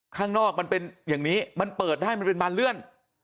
ข้างนอกมันเป็นอย่างนี้มันเปิดได้มันเป็นบานเลื่อน